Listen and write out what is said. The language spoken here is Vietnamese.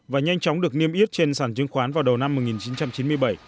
và nhanh chóng được niêm yết trên sản chứng khoán vào đầu năm một nghìn chín trăm chín mươi bảy